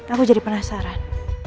aku jadi penasaran